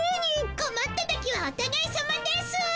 こまった時はおたがいさまですぅ。